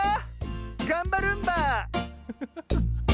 がんばるんば！